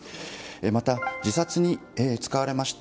また、自殺に使われました